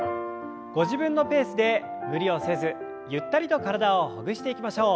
ご自分のペースで無理をせずゆったりと体をほぐしていきましょう。